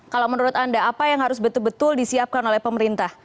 kalau menurut anda apa yang harus betul betul disiapkan oleh pemerintah